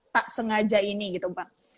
tak sengaja ini gitu pak